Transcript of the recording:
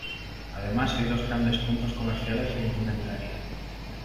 Además hay dos grandes puntos comerciales de indumentaria.